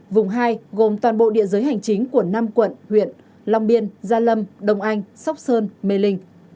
vùng hai gồm toàn bộ địa giới hành chính của năm quận huyện long biên gia lâm đông anh sóc sài